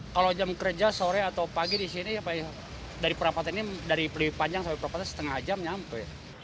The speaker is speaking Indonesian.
kalau jam kerja sore atau pagi di sini dari perampatan ini dari panjang sampai berapa setengah jam nyampe